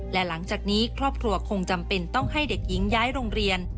และหลังจากนี้ครอบครัวคงจำเป็นต้องให้เด็กหญิงย้ายโรงเรียน